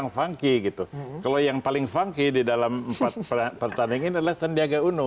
jokowi dan sandi